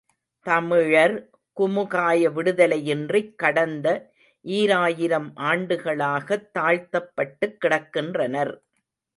தமிழர் குமுகாய விடுதலையின்றிக் கடந்த ஈராயிரம் ஆண்டுகளாகத் தாழ்த்தப்பட்டுக் கிடக்கின்றனர்.